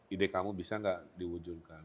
ide kamu bisa nggak diwujudkan